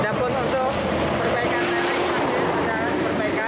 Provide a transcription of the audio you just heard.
ada pun untuk perbaikan lereng ada perbaikan